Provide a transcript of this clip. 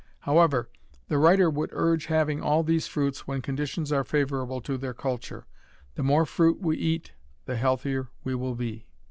However, the writer would urge having all these fruits when conditions are favorable to their culture. The more fruit we eat the healthier we will be.